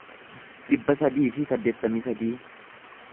dhibba sadii fi saddeettamii sadii